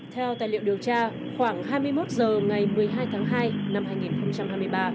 theo tài liệu điều tra khoảng hai mươi một h ngày một mươi hai tháng hai năm hai nghìn hai mươi ba